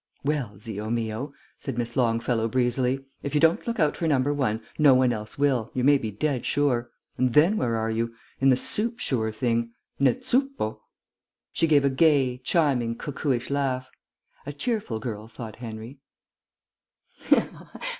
"Well, zio mio," said Miss Longfellow breezily, "if you don't look out for number one, no one else will, you may be dead sure. And then where are you? In the soup, sure thing. Nel zuppo!" She gave a gay, chiming, cuckooish laugh. A cheerful girl, thought Henry.